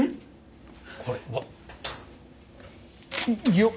よっ。